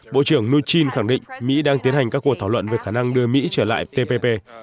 bộ trưởng muchin khẳng định mỹ đang tiến hành các cuộc thảo luận về khả năng đưa mỹ trở lại tpp